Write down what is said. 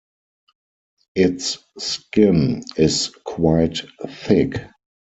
Its skin is quite thick.